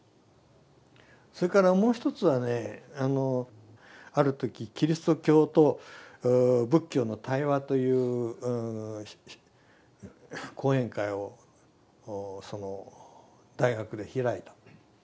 それからもう一つはねあのある時「キリスト教と仏教の対話」という講演会をその大学で開いた。